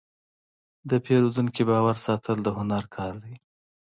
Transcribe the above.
د پیرودونکي باور ساتل د هنر کار دی.